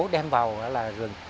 đem vào là rừng